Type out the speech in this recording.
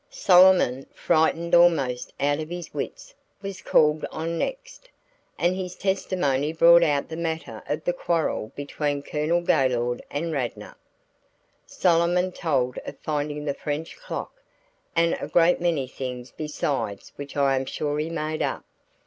Solomon, frightened almost out of his wits, was called on next, and his testimony brought out the matter of the quarrel between Colonel Gaylord and Radnor. Solomon told of finding the French clock, and a great many things besides which I am sure he made up.